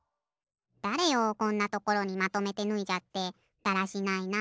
だれよこんなところにまとめてぬいじゃってだらしないな。